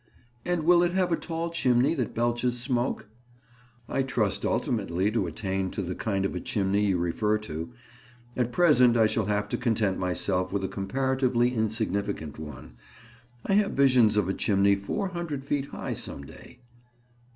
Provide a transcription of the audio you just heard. "And will it have a tall chimney that belches smoke?" "I trust ultimately to attain to the kind of a chimney you refer to. At present, I shall have to content myself with a comparatively insignificant one. I have visions of a chimney four hundred feet high some day."